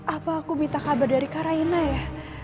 apa aku minta kabar dari kak raina ya